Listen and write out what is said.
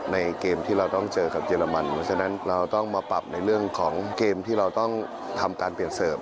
เกมที่เราต้องเจอกับเยอรมันเพราะฉะนั้นเราต้องมาปรับในเรื่องของเกมที่เราต้องทำการเปลี่ยนเสิร์ฟ